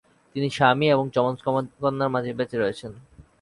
তিনি স্বামী এবং যমজ কন্যার মাঝে বেঁচে রয়েছেন।